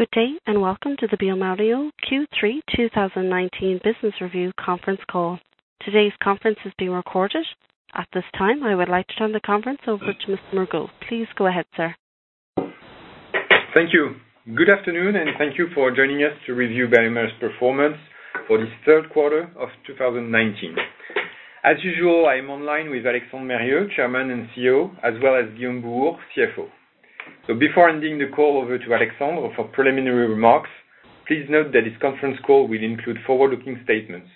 Good day. Welcome to the bioMérieux Q3 2019 Business Review Conference Call. Today's conference is being recorded. At this time, I would like to turn the conference over to Mr. Morgeau. Please go ahead, sir. Thank you. Good afternoon, and thank you for joining us to review bioMérieux's performance for the third quarter of 2019. As usual, I am online with Alexandre Mérieux, Chairman and CEO, as well as Guillaume Bouhours, CFO. Before handing the call over to Alexandre for preliminary remarks, please note that this conference call will include forward-looking statements.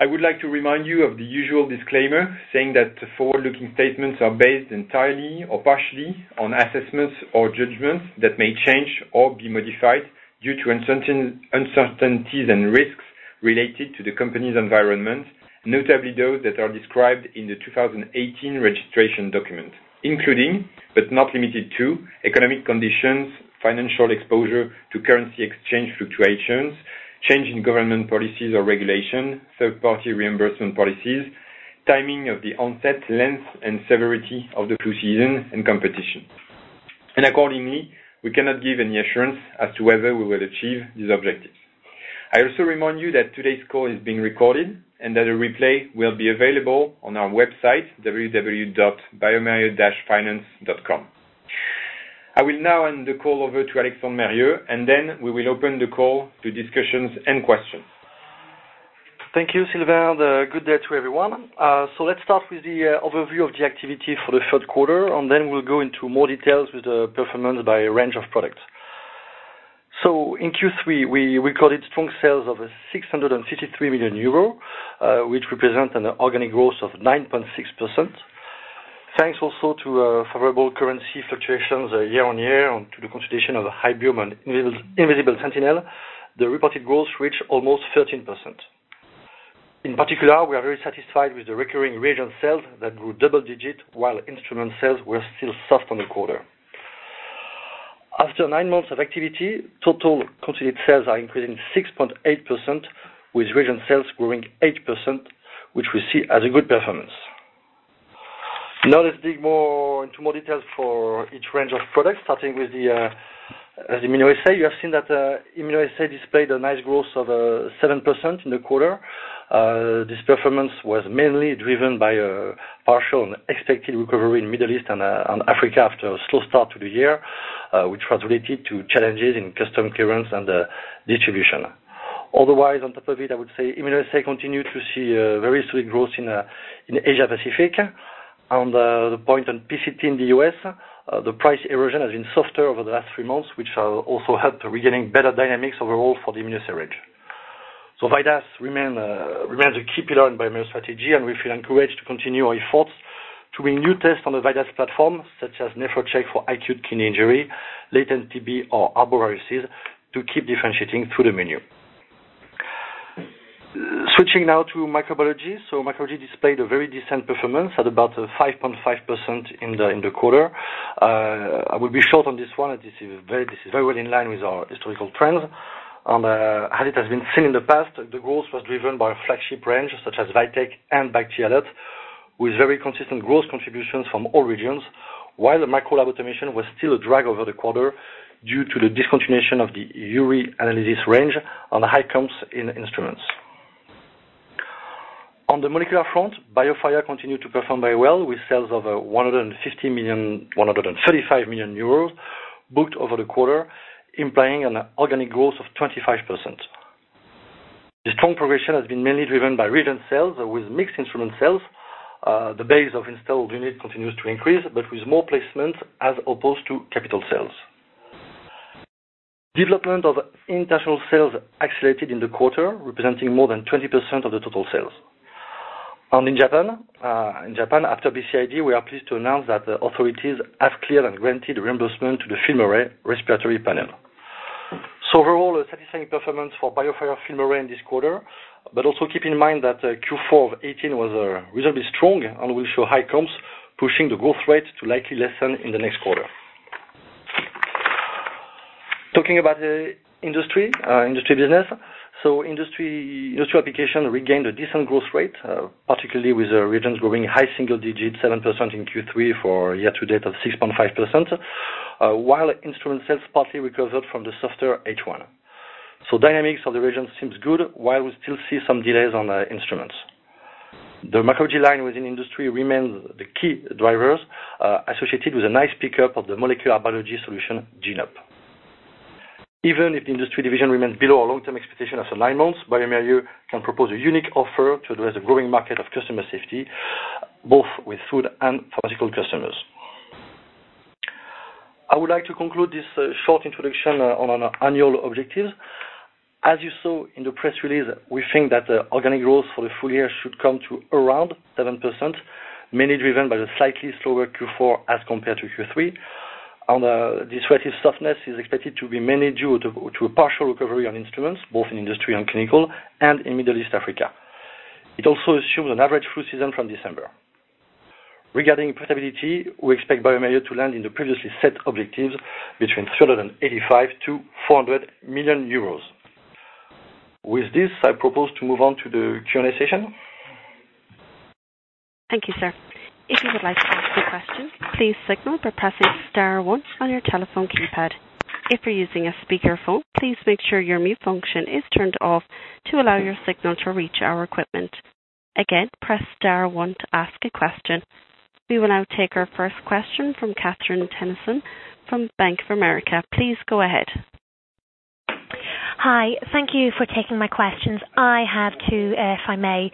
I would like to remind you of the usual disclaimer, saying that the forward-looking statements are based entirely or partially on assessments or judgments that may change or be modified due to uncertainties and risks related to the company's environment, notably those that are described in the 2018 registration document, including, but not limited to, economic conditions, financial exposure to currency exchange fluctuations, change in government policies or regulations, third-party reimbursement policies, timing of the onset, length, and severity of the flu season and competition. Accordingly, we cannot give any assurance as to whether we will achieve these objectives. I also remind you that today's call is being recorded and that a replay will be available on our website, www.biomerieux-finance.com. I will now hand the call over to Alexandre Mérieux, and then we will open the call to discussions and questions. Thank you, Sylvain. Good day to everyone. Let's start with the overview of the activity for the third quarter, and then we'll go into more details with the performance by range of products. In Q3, we recorded strong sales of 653 million euros, which represent an organic growth of 9.6%. Thanks also to favorable currency fluctuations year-on-year and to the consolidation of the Hybiome and Invisible Sentinel, the reported growth reached almost 13%. In particular, we are very satisfied with the recurring regional sales that grew double digits, while instrument sales were still soft on the quarter. After nine months of activity, total consolidated sales are increasing 6.8%, with regional sales growing 8%, which we see as a good performance. Let's dig into more details for each range of products, starting with the immunoassays. You have seen that immunoassay displayed a nice growth of 7% in the quarter. This performance was mainly driven by a partial and expected recovery in Middle East and Africa after a slow start to the year, which was related to challenges in custom clearance and distribution. On top of it, I would say immunoassay continued to see a very solid growth in Asia Pacific. On the point on PCT in the U.S., the price erosion has been softer over the last three months, which also helped to regaining better dynamics overall for the immunoassay range. VIDAS remains a key pillar in bioMérieux strategy, and we feel encouraged to continue our efforts to bring new tests on the VIDAS platform, such as NEPHROCHECK for acute kidney injury, latent TB, or arboviruses, to keep differentiating through the menu. Switching now to microbiology. Microbiology displayed a very decent performance at about 5.5% in the quarter. I will be short on this one. This is very well in line with our historical trends. As it has been seen in the past, the growth was driven by our flagship range, such as VITEK and BACT/ALERT, with very consistent growth contributions from all regions, while the microlab automation was still a drag over the quarter due to the discontinuation of the urine analysis range on the high comps in instruments. On the molecular front, BioFire continued to perform very well, with sales of 150 million, 135 million euros booked over the quarter, implying an organic growth of 25%. The strong progression has been mainly driven by reagent sales with mixed instrument sales. The base of installed units continues to increase, but with more placements as opposed to capital sales. Development of international sales accelerated in the quarter, representing more than 20% of the total sales. In Japan, after BCID, we are pleased to announce that the authorities have cleared and granted reimbursement to the FilmArray Respiratory Panel. Overall, a satisfying performance for BioFire FilmArray in this quarter. Also keep in mind that Q4 of 2018 was reasonably strong and will show high comps, pushing the growth rate to likely lessen in the next quarter. Talking about the industry business. Industry application regained a decent growth rate, particularly with the regions growing high single digits, 7% in Q3 for year to date of 6.5%, while instrument sales partly recovered from the softer H1. Dynamics of the region seems good, while we still see some delays on the instruments. The microbiology line within industry remains the key drivers associated with a nice pickup of the molecular biology solution, GENE-UP. Even if the industry division remains below our long-term expectation of nine months, bioMérieux can propose a unique offer to address a growing market of customer safety, both with food and pharmaceutical customers. I would like to conclude this short introduction on our annual objective. As you saw in the press release, we think that the organic growth for the full year should come to around 7%, mainly driven by the slightly slower Q4 as compared to Q3, and the respective softness is expected to be mainly due to a partial recovery on instruments, both in industry and clinical, and in Middle East Africa. It also assumes an average flu season from December. Regarding profitability, we expect bioMérieux to land in the previously set objectives between 385 million-400 million euros. With this, I propose to move on to the Q&A session. Thank you, sir. If you would like to ask a question, please signal by pressing star one on your telephone keypad. If you're using a speakerphone, please make sure your mute function is turned off to allow your signal to reach our equipment. Again, press star one to ask a question. We will now take our first question from Catherine Tennyson from Bank of America. Please go ahead. Hi. Thank you for taking my questions. I have two, if I may.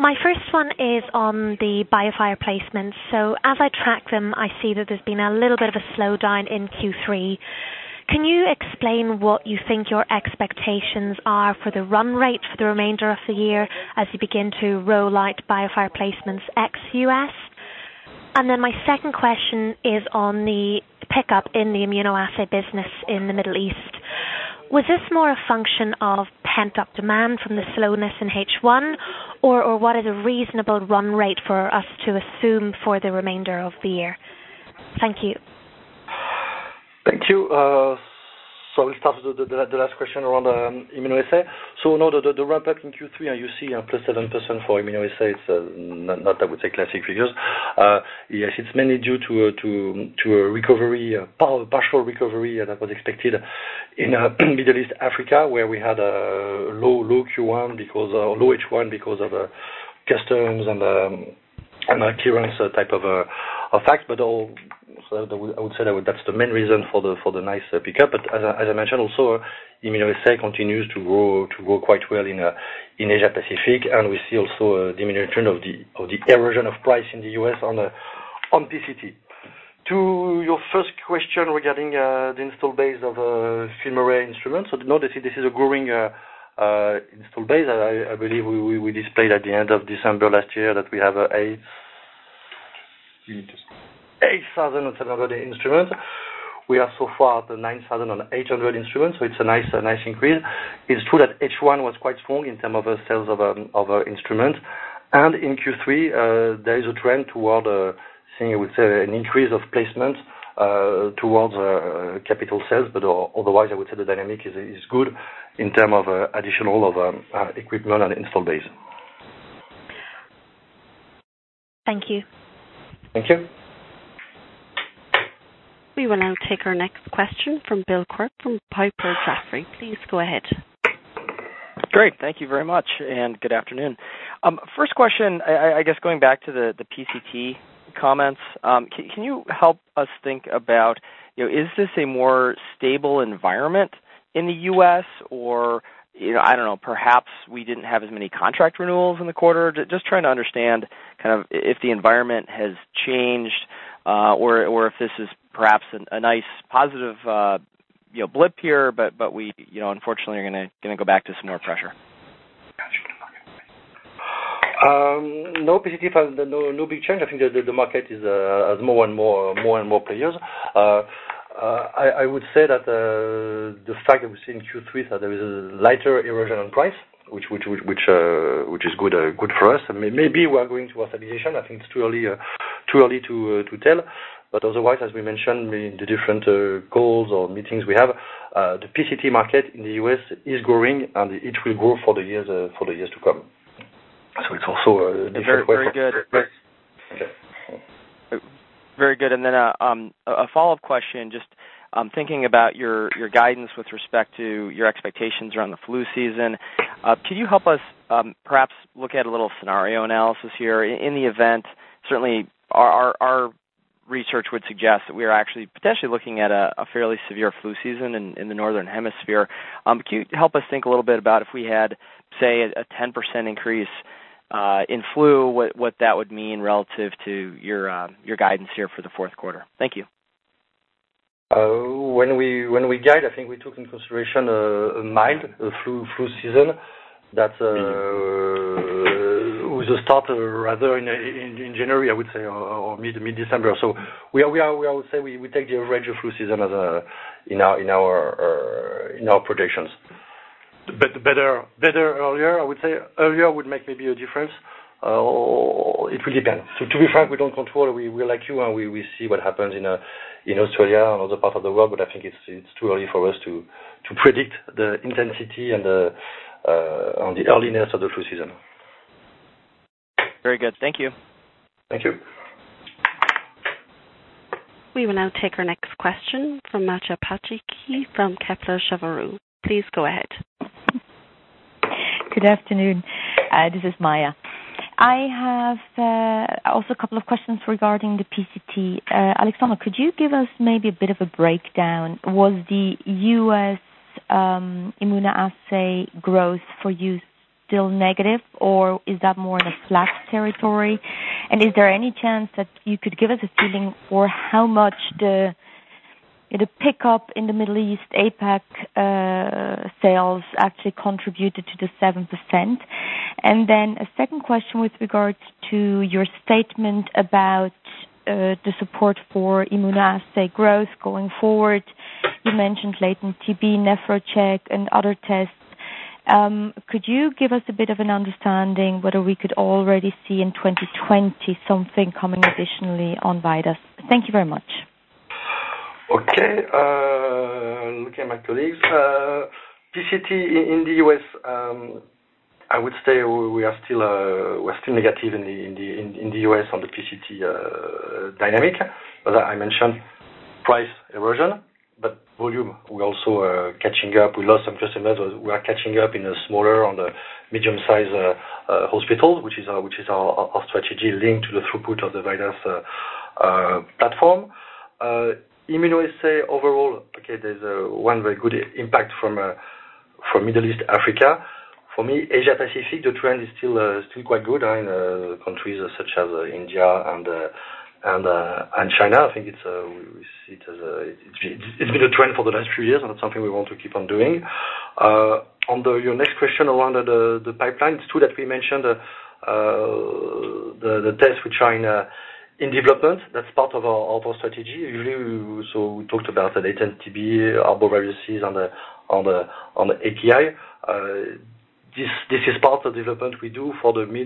My first one is on the BioFire placements. As I track them, I see that there's been a little bit of a slowdown in Q3. Can you explain what you think your expectations are for the run rate for the remainder of the year as you begin to roll out BioFire placements ex-U.S.? My second question is on the pickup in the immunoassay business in the Middle East. Was this more a function of pent-up demand from the slowness in H1, or what is a reasonable run rate for us to assume for the remainder of the year? Thank you. Thank you. We'll start with the last question around immunoassay. In order to run back in Q3, you see a +7% for immunoassay. It's not, I would say, classic figures. Yes, it's mainly due to a partial recovery that was expected in Middle East Africa, where we had a low H1 because of the customs and clearance type of effect. I would say that's the main reason for the nice pickup. As I mentioned also, immunoassay continues to grow quite well in Asia Pacific, and we see also a diminution of the erosion of price in the U.S. on PCT. To your first question regarding the install base of FilmArray instruments. No, this is a growing install base. I believe we displayed at the end of December last year that we have 8,700 instruments. We are so far at 9,800 instruments, so it's a nice increase. It's true that H1 was quite strong in terms of sales of our instruments. In Q3, there is a trend toward seeing, I would say, an increase of placements towards capital sales. Otherwise, I would say the dynamic is good in terms of additional equipment and install base. Thank you. Thank you. We will now take our next question from Bill Quirk from Piper Jaffray. Please go ahead. Great. Thank you very much, and good afternoon. First question, I guess going back to the PCT comments. Can you help us think about, is this a more stable environment in the U.S.? I don't know, perhaps we didn't have as many contract renewals in the quarter? Just trying to understand if the environment has changed, or if this is perhaps a nice positive blip here, but we unfortunately are going to go back to some more pressure. No big change. I think the market has more and more players. I would say that the fact that we've seen Q3, that there is a lighter erosion on price, which is good for us. Maybe we are going towards stabilization. I think it's too early to tell. Otherwise, as we mentioned in the different calls or meetings we have, the PCT market in the U.S. is growing, and it will grow for the years to come. It's also a different question. Very good. A follow-up question, just thinking about your guidance with respect to your expectations around the flu season, could you help us perhaps look at a little scenario analysis here in the event? Certainly, our research would suggest that we are actually potentially looking at a fairly severe flu season in the northern hemisphere. Could you help us think a little bit about if we had, say, a 10% increase in flu, what that would mean relative to your guidance here for the fourth quarter? Thank you. When we guide, I think we took into consideration a mild flu season that will start rather in January, I would say, or mid December. I would say we take the average flu season in our predictions. Better earlier, I would say. Earlier would make maybe a difference. It will depend. To be frank, we don't control. We're like you, and we see what happens in Australia and other parts of the world. I think it's too early for us to predict the intensity and the earliness of the flu season. Very good. Thank you. Thank you. We will now take our next question from Maja Pataki from Kepler Cheuvreux. Please go ahead. Good afternoon. This is Maja. I have also a couple of questions regarding the PCT. Alexandre, could you give us maybe a bit of a breakdown? Was the U.S. immunoassay growth for you still negative, or is that more in a flat territory? Is there any chance that you could give us a feeling for how much the pickup in the Middle East APAC sales actually contributed to the 7%? Then a second question with regards to your statement about the support for immunoassay growth going forward. You mentioned latent TB, NEPHROCHECK, and other tests. Could you give us a bit of an understanding whether we could already see in 2020 something coming additionally on VIDAS? Thank you very much. Okay. Looking at my colleagues. PCT in the U.S., I would say we're still negative in the U.S. on the PCT dynamic. As I mentioned, price erosion, but volume, we're also catching up. We lost some customers. We are catching up in smaller, on the medium-sized hospitals, which is our strategy linked to the throughput of the various platform. Immunoassay overall, okay, there's one very good impact from Middle East Africa. For me, Asia Pacific, the trend is still quite good in countries such as India and China. I think it's been a trend for the last few years, and it's something we want to keep on doing. On your next question around the pipeline, it's true that we mentioned the test with China in development. That's part of our strategy. We talked about the latent TB arboviruses on the API. This is part of development we do. That's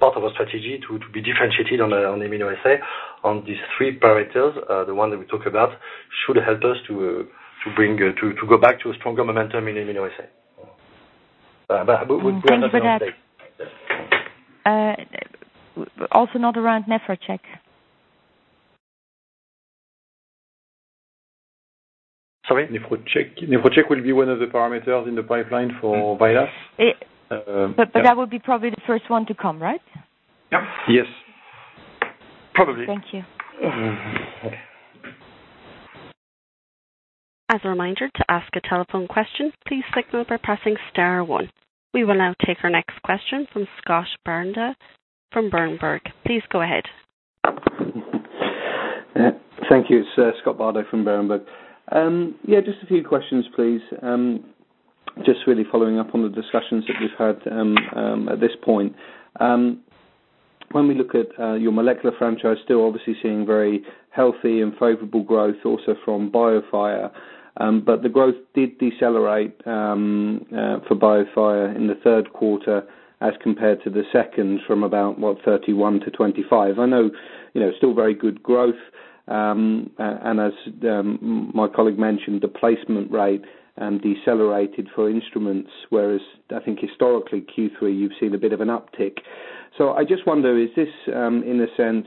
part of our strategy to be differentiated on immunoassay on these three parameters. The one that we talk about should help us to go back to a stronger momentum in immunoassay. Thank you for that. Another one, NEPHROCHECK. Sorry? NEPHROCHECK will be one of the parameters in the pipeline for Virus. That would be probably the first one to come, right? Yeah. Yes. Probably. Thank you. As a reminder to ask a telephone question, please signal by pressing star one. We will now take our next question from Scott Bardo from Berenberg. Please go ahead. Thank you, Scott Bardo from Berenberg. A few questions, please. Really following up on the discussions that we've had at this point. When we look at your molecular franchise, still obviously seeing very healthy and favorable growth also from BioFire. The growth did decelerate for BioFire in the third quarter as compared to the second from about, what, 31% to 25%. I know, still very good growth. As my colleague mentioned, the placement rate decelerated for instruments, whereas I think historically Q3, you've seen a bit of an uptick. I just wonder, is this, in a sense,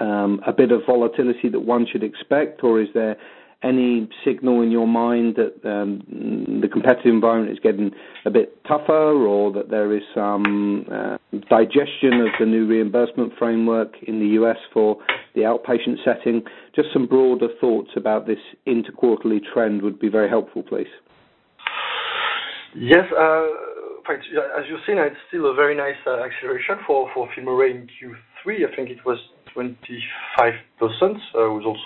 a bit of volatility that one should expect, or is there any signal in your mind that the competitive environment is getting a bit tougher or that there is some digestion of the new reimbursement framework in the U.S. for the outpatient setting? Just some broader thoughts about this interquarterly trend would be very helpful, please. As you're saying, it's still a very nice acceleration for FilmArray in Q3. I think it was 25%. Just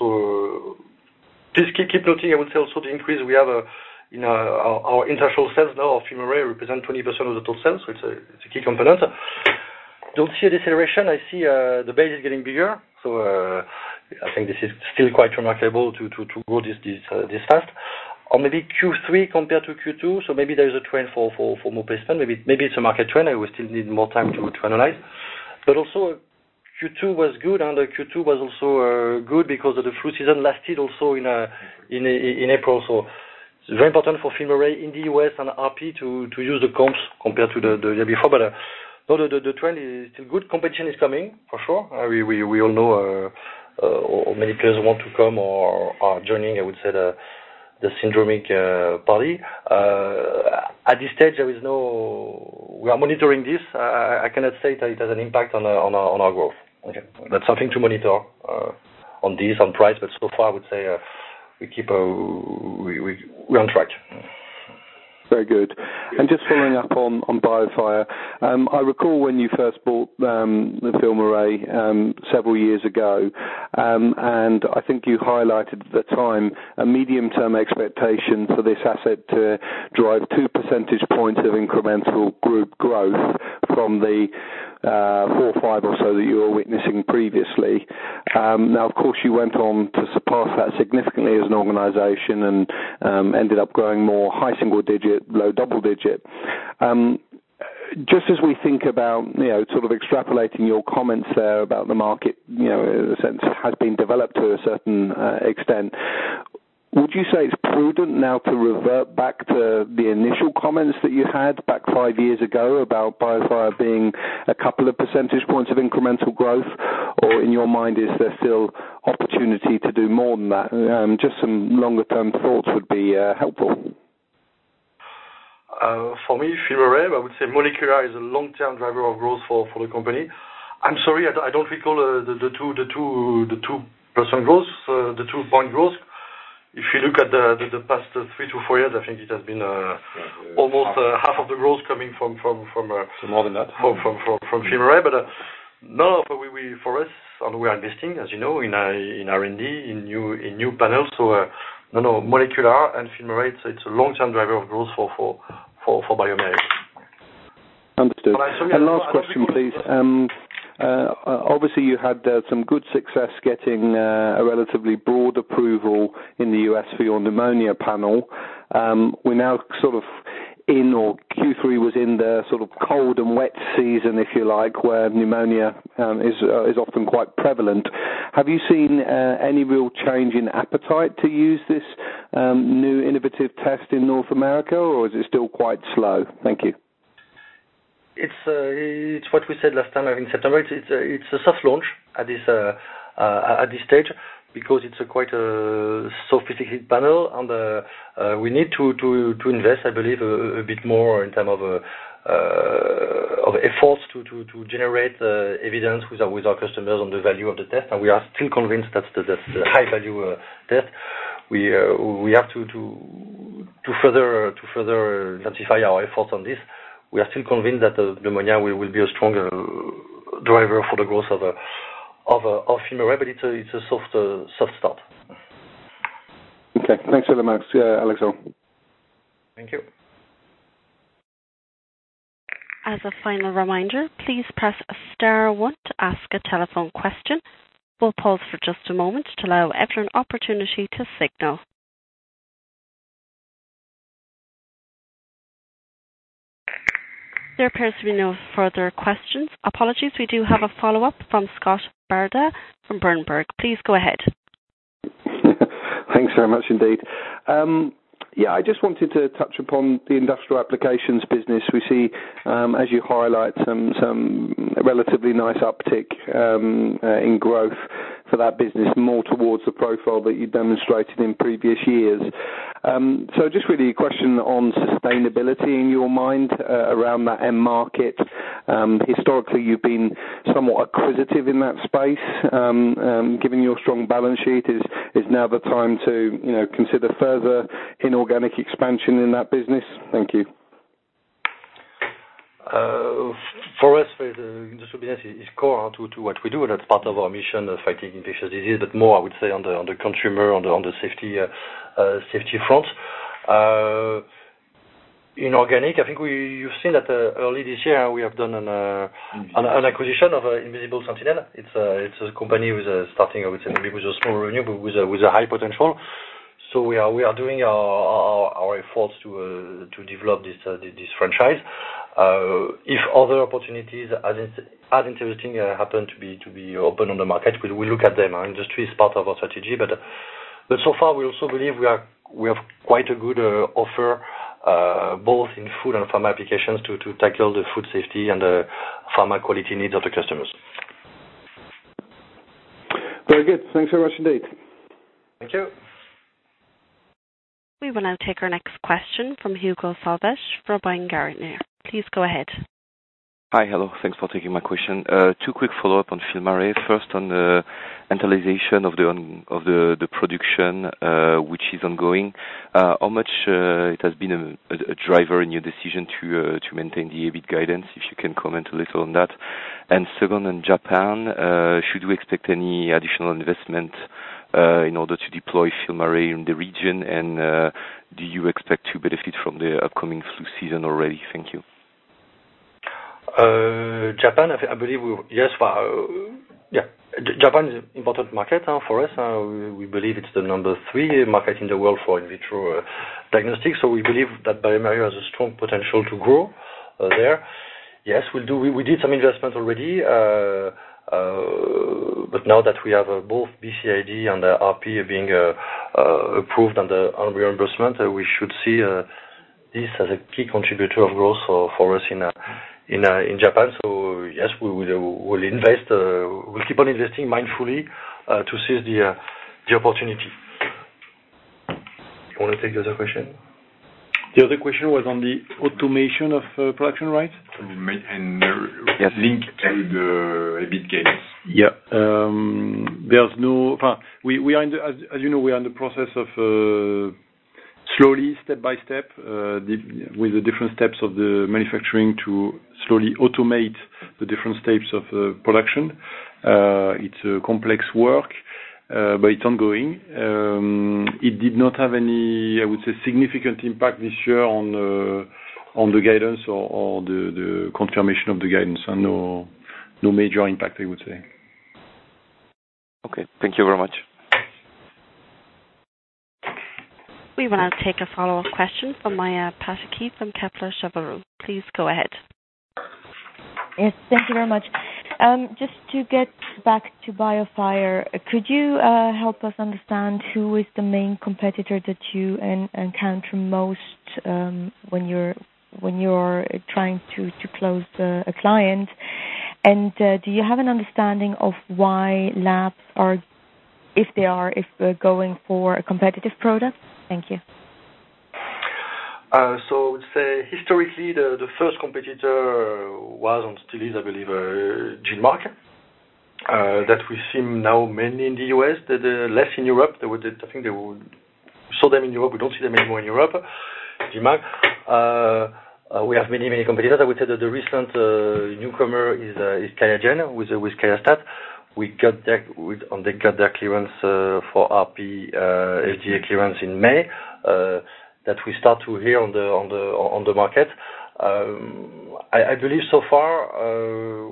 keep noting, I would say also the increase we have our international sales now of FilmArray represent 20% of the total sales, so it's a key component. Don't see a deceleration. I see the base is getting bigger. I think this is still quite remarkable to grow this fast. On maybe Q3 compared to Q2, maybe there is a trend for more placement. Maybe it's a market trend and we still need more time to analyze. Also Q2 was good, and Q2 was also good because of the flu season lasted also in April. It's very important for FilmArray in the U.S. and RP to use the comps compared to the year before. The trend is still good. Competition is coming, for sure. We all know many players want to come or are joining, I would say, the syndromic party. At this stage, we are monitoring this. I cannot say that it has an impact on our growth. Okay. That's something to monitor on this, on price, but so far, I would say we're on track. Very good. Just following up on BioFire. I recall when you first bought the FilmArray several years ago, I think you highlighted at the time a medium-term expectation for this asset to drive two percentage points of incremental group growth from the four or five or so that you were witnessing previously. Now, of course, you went on to surpass that significantly as an organization and ended up growing more high single digit, low double digit. Just as we think about extrapolating your comments there about the market, in a sense, has been developed to a certain extent. Would you say it's prudent now to revert back to the initial comments that you had back five years ago about BioFire being a couple of percentage points of incremental growth? In your mind, is there still opportunity to do more than that? Just some longer-term thoughts would be helpful. For me, FilmArray, I would say molecular is a long-term driver of growth for the company. I'm sorry, I don't recall the two-point growth. If you look at the past three to four years, I think it has been almost half of the growth coming from. More than that. from FilmArray. No, for us, we are investing, as you know, in R&D, in new panels. Molecular and FilmArray, it's a long-term driver of growth for bioMérieux. Last question, please. Obviously, you had some good success getting a relatively broad approval in the U.S. for your pneumonia panel. We now sort of-In Q3 was in the sort of cold and wet season, if you like, where pneumonia is often quite prevalent. Have you seen any real change in appetite to use this new innovative test in North America, or is it still quite slow? Thank you. It's what we said last time in September. It's a soft launch at this stage because it's quite a sophisticated panel, and we need to invest, I believe, a bit more in terms of efforts to generate evidence with our customers on the value of the test. We are still convinced that's the high-value test. We have to further intensify our efforts on this. We are still convinced that pneumonia will be a strong driver for the growth of FilmArray, but it's a soft start. Okay. Thanks very much, Alexandre. Thank you. As a final reminder, please press star one to ask a telephone question. We'll pause for just a moment to allow everyone opportunity to signal. There appears to be no further questions. Apologies, we do have a follow-up from Scott Bardo from Berenberg. Please go ahead. Thanks very much indeed. I just wanted to touch upon the industrial applications business. We see, as you highlight, some relatively nice uptick in growth for that business, more towards the profile that you demonstrated in previous years. Just really a question on sustainability in your mind around that end market. Historically, you've been somewhat acquisitive in that space. Given your strong balance sheet, is now the time to consider further inorganic expansion in that business? Thank you. For us, the industrial business is core to what we do, and that's part of our mission of fighting infectious disease, but more, I would say, on the consumer, on the safety front. Inorganic, I think you've seen that early this year we have done an acquisition of Invisible Sentinel. It's a company with starting, I would say, maybe with a small revenue, but with a high potential. We are doing our efforts to develop this franchise. If other opportunities as interesting happen to be open on the market, we will look at them. Industry is part of our strategy. So far, we also believe we have quite a good offer both in food and pharma applications to tackle the food safety and the pharma quality needs of the customers. Very good. Thanks very much indeed. Thank you. We will now take our next question from Hugo Solvet for Bryan, Garnier & Co. Please go ahead. Hi. Hello. Thanks for taking my question. Two quick follow-up on FilmArray. First, on the intellectualization of the production, which is ongoing. How much it has been a driver in your decision to maintain the EBIT guidance, if you can comment a little on that. Second, on Japan, should we expect any additional investment in order to deploy FilmArray in the region? Do you expect to benefit from the upcoming flu season already? Thank you. Japan is an important market for us. We believe it's the number 3 market in the world for in vitro diagnostics, we believe that bioMérieux has a strong potential to grow there. Yes, we did some investment already. But now that we have both BCID and RP being approved on the reimbursement, we should see this as a key contributor of growth for us in Japan. Yes, we'll keep on investing mindfully to seize the opportunity. You want to take the other question? The other question was on the automation of production, right? Link to the EBIT guidance. Yeah. As you know, we are in the process of slowly, step-by-step, with the different steps of the manufacturing to slowly automate the different steps of the production. It's a complex work, but it's ongoing. It did not have any, I would say, significant impact this year on the guidance or the confirmation of the guidance. No major impact, I would say. Okay. Thank you very much. We will now take a follow-up question from Maja Pataki from Kepler Cheuvreux. Please go ahead. Yes, thank you very much. Just to get back to BioFire, could you help us understand who is the main competitor that you encounter most when you're trying to close a client? Do you have an understanding of why labs are, if they are, going for a competitive product? Thank you. I would say historically, the first competitor was and still is, I believe, GenMark that we see now mainly in the U.S., less in Europe. I think we saw them in Europe. We don't see them anymore in Europe, GenMark. We have many competitors. I would say that the recent newcomer is QIAGEN with QIAstat-Dx. They got their clearance for RP FDA clearance in May, that we start to hear on the market. I believe so far,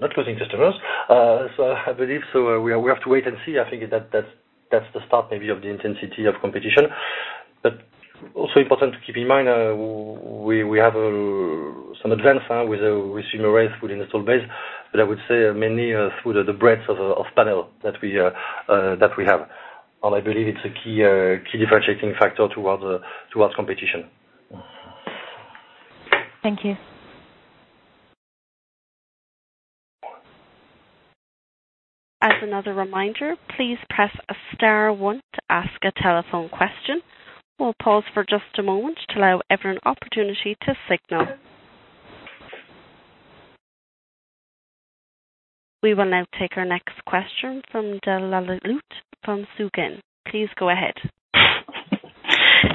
not losing customers. I believe we have to wait and see. I think that's the start, maybe, of the intensity of competition. Also important to keep in mind, we have some advance now with FilmArray within the install base, but I would say mainly through the breadth of panel that we have. I believe it's a key differentiating factor towards competition. Thank you. As another reminder, please press star one to ask a telephone question. We'll pause for just a moment to allow everyone opportunity to signal. We will now take our next question from Dalal Alouat from Oddo BHF. Please go ahead.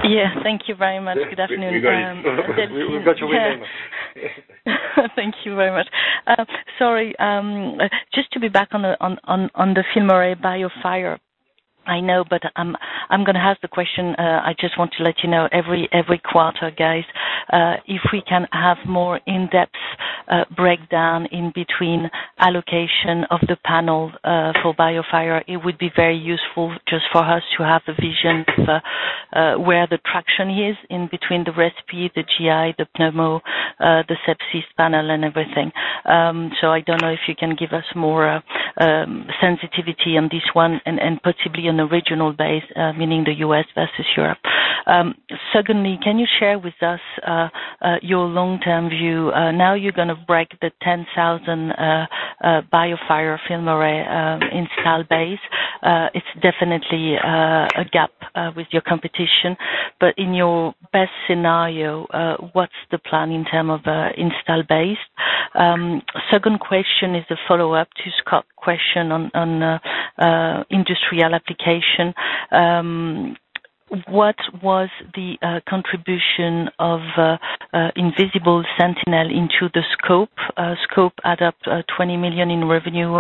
Yeah, thank you very much. Good afternoon. We got your name. Thank you very much. Sorry, just to be back on the FilmArray BioFire. I know, but I'm going to ask the question. I just want to let you know every quarter, guys, if we can have more in-depth breakdown in between allocation of the panels for BioFire, it would be very useful just for us to have a vision of where the traction is in between the respiratory, the GI, the pneumo, the sepsis panel, and everything. I don't know if you can give us more sensitivity on this one and possibly on a regional base, meaning the U.S. versus Europe. Secondly, can you share with us your long-term view? Now you're going to break the 10,000 BioFire FilmArray install base. It's definitely a gap with your competition. In your best scenario, what's the plan in term of install base? Second question is a follow-up to Scott question on industrial application. What was the contribution of Invisible Sentinel into the scope? Scope add up 20 million in revenue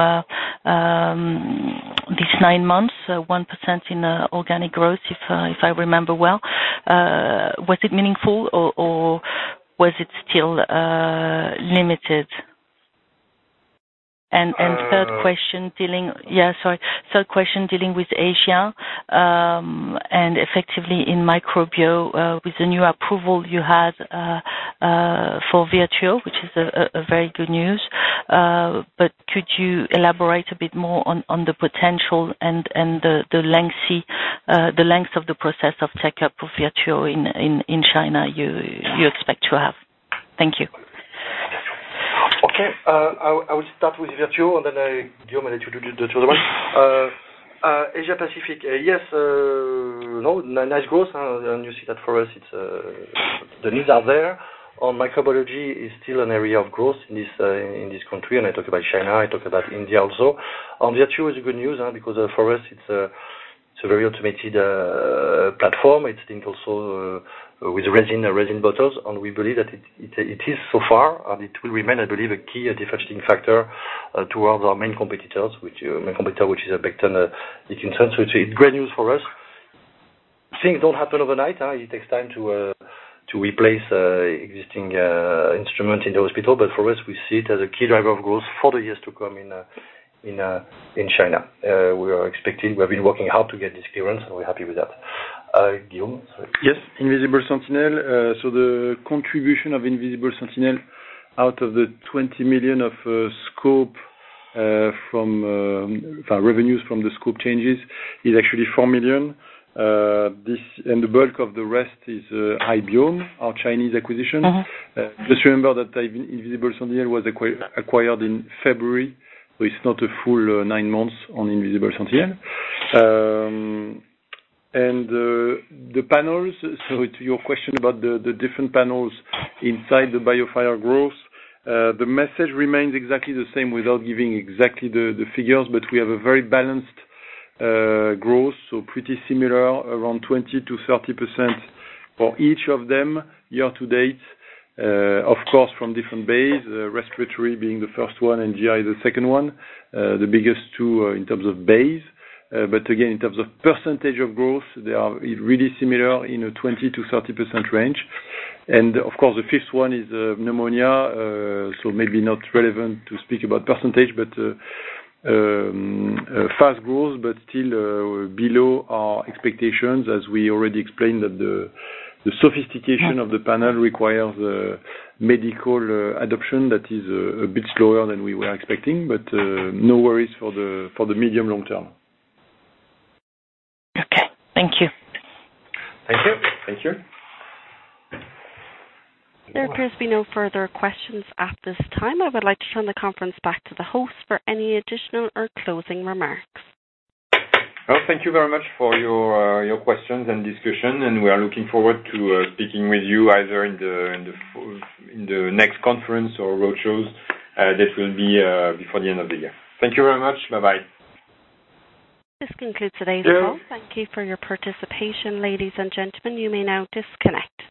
these nine months, 1% in organic growth, if I remember well. Was it meaningful or was it still limited? Third question dealing with Asia, and effectively in microbial, with the new approval you had for VIRTUO, which is a very good news. Could you elaborate a bit more on the potential and the length of the process of take-up for VIRTUO in China you expect to have? Thank you. Okay. I will start with Virtuo, then Guillaume, maybe you do the other one. Asia Pacific, yes, nice growth. You see that for us, the needs are there. On microbiology is still an area of growth in this country, and I talk about China, I talk about India also. On Virtuo is a good news because for us it's a very automated platform. It's linked also with resin bottles, and we believe that it is so far, and it will remain, I believe, a key differentiating factor towards our main competitor, which is a Abbott. It's great news for us. Things don't happen overnight. It takes time to replace existing instrument in the hospital. For us, we see it as a key driver of growth for the years to come in China. We have been working hard to get this clearance, and we're happy with that. Guillaume? Yes. Invisible Sentinel. The contribution of Invisible Sentinel out of the 20 million of revenues from the scope changes is actually 4 million. The bulk of the rest is Hybiome, our Chinese acquisition. Just remember that Invisible Sentinel was acquired in February, it's not a full nine months on Invisible Sentinel. The panels, to your question about the different panels inside the BioFire growth, the message remains exactly the same without giving exactly the figures, we have a very balanced growth, pretty similar, around 20%-30% for each of them year-to-date. Of course, from different base, respiratory being the first one and GI the second one, the biggest two in terms of base. Again, in terms of percentage of growth, they are really similar in a 20%-30% range. Of course, the fifth one is pneumonia. Maybe not relevant to speak about percentage, fast growth, still below our expectations. As we already explained that the sophistication of the panel requires medical adoption that is a bit slower than we were expecting. No worries for the medium long term. Okay. Thank you. Thank you. Thank you. There appears to be no further questions at this time. I would like to turn the conference back to the host for any additional or closing remarks. Well, thank you very much for your questions and discussion, and we are looking forward to speaking with you either in the next conference or road shows that will be before the end of the year. Thank you very much. Bye-bye. This concludes today's call. Thank you for your participation, ladies and gentlemen. You may now disconnect.